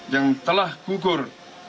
yang telah gugur